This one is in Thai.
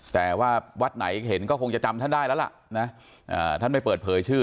แต่ว่าวัดไหนเห็นก็คงจะจำท่านได้แล้วล่ะนะท่านไม่เปิดเผยชื่อ